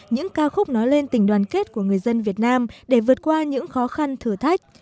những ca khúc nói lên tình đoàn kết của người dân việt nam để vượt qua những khó khăn thử thách